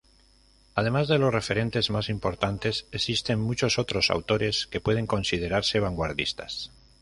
Además de los referentes más importantes, existen muchos otros autores que pueden considerarse vanguardistas.